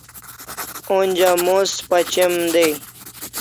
Onja mos pachem dai